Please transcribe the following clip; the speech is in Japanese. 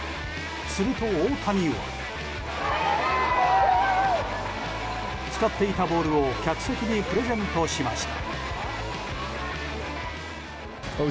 すると、大谷は使っていたボールを客席にプレゼントしました。